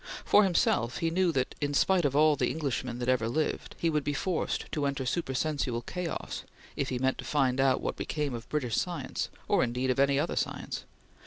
For himself he knew, that, in spite of all the Englishmen that ever lived, he would be forced to enter supersensual chaos if he meant to find out what became of British science or indeed of any other science.